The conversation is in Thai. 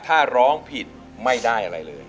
ถ้าร้องผิดไม่ได้อะไรเลย